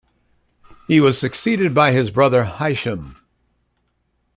He was succeeded by his brother Hisham.